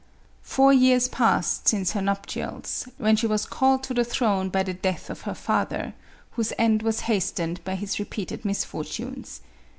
Four years passed since her nuptials, when she was called to the throne by the death of her father, whose end was hastened by his repeated misfortunes.